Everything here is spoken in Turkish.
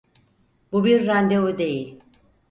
Bu bir randevu değil.